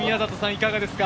いかがですか？